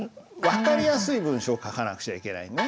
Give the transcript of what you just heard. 分かりやすい文章を書かなくちゃいけないね。